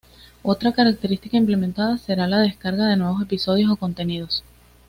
Otra característica implementada, será la descarga de nuevos episodios o contenidos.